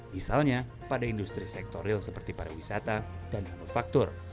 misalnya pada industri sektor real seperti pariwisata dan manufaktur